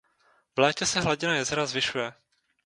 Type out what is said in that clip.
V létě se hladina jezera zvyšuje.